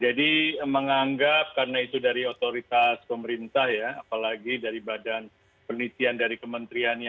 jadi menganggap karena itu dari otoritas pemerintah ya apalagi dari badan penelitian dari kementeriannya